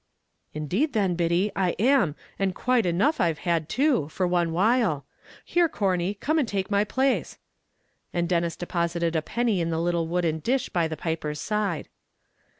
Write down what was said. "Indeed, then, Biddy, I am, and quite enough I've had, too, for one while. Here, Corney, come and take my place;" and Denis deposited a penny in a little wooden dish by the piper's side.